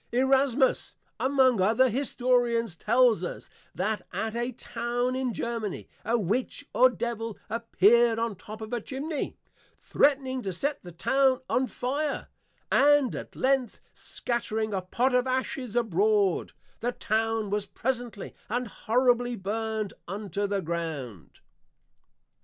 _ Erasmus, among other Historians, tells us, that at a Town in Germany, a Witch or Devil, appeared on the Top of a Chimney, Threatning to set the Town on Fire: And at length, Scattering a Pot of Ashes abroad, the Town was presently and horribly Burnt unto the Ground.